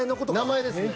名前ですね。